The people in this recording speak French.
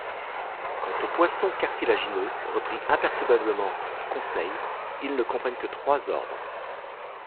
Quant aux poissons cartilagineux, reprit imperturbablement Conseil, ils ne comprennent que trois ordres.